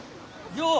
よう！